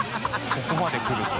ここまで来ると。